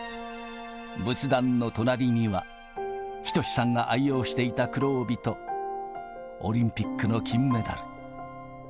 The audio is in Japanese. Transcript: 仏壇の隣には仁さんが愛用していた黒帯とオリンピックの金メダル。